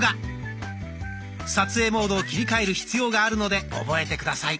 撮影モードを切り替える必要があるので覚えて下さい。